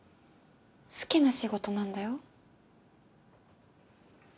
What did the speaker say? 好きな仕事なんだよ？